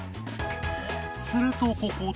するとここで